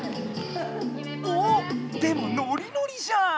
おおっでもノリノリじゃん。